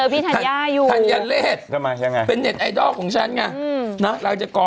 แบบจากติ๊ก